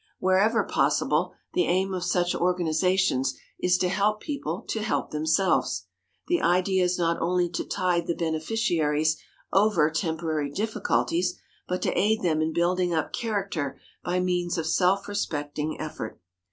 Wherever possible, the aim of such organizations is to help people to help themselves. The idea is not only to tide the beneficiaries over temporary difficulties, but to aid them in building up character by means of self respecting effort.